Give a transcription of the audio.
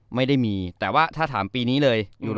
ไม่ได้มีแต่ว่าถ้าถามปีนี้เลย